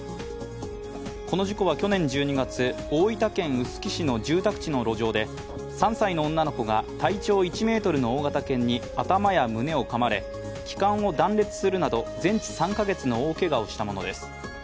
この事故は去年１２月、大分県臼杵市の住宅地の路上で３歳の女の子が体長１ｍの大型犬に頭や胸をかまれ気管を断裂するなど全治３か月の大けがをしたものです